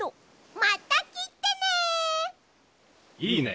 またきてね。